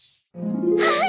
はい！